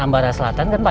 ambarah selatan kan pak